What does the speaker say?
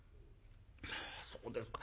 「まあそうですか。